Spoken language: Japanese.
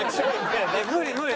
無理無理。